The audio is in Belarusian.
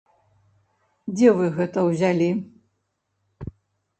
Дзе вы гэта ўзялі?